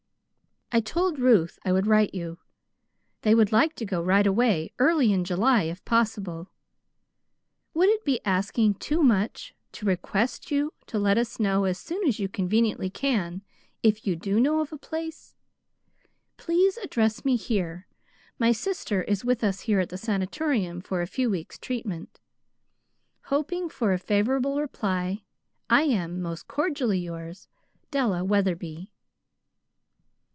I told Ruth I would write you. They would like to go right away, early in July, if possible. Would it be asking too much to request you to let us know as soon as you conveniently can if you do know of a place? Please address me here. My sister is with us here at the Sanatorium for a few weeks' treatment. "Hoping for a favorable reply, I am, "Most cordially yours, "DELLA WETHERBY."